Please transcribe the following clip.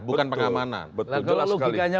bukan pengamanan betul kalau logikanya